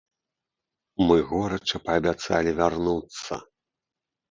Мы горача паабяцалі вярнуцца.